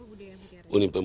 untuk pemudaian mutiara